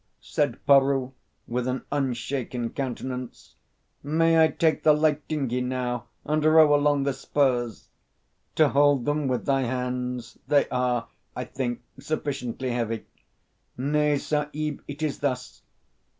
said Peroo, with an unshaken countenance. "May I take the light dinghy now and row along the spurs?" "To hold them with thy hands? They are, I think, sufficiently heavy." "Nay, Sahib. It is thus.